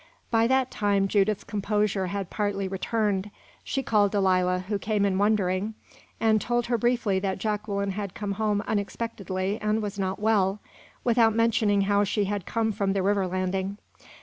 By that time Judith's composure had partly returned. She called Delilah, who came in wondering, and told her briefly that Jacqueline had come home unexpectedly and was not well, without mentioning how she had come from the river landing.